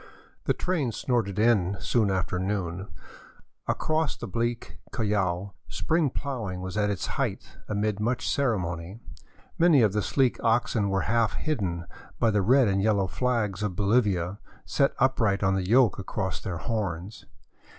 The train snorted in soon after noon. Across the bleak Collao spring plowing was at its height, amid much ceremony. Many of the sleek oxen were half hidden by the red and yellow flags of Bolivia, set upright on the yoke across their horns.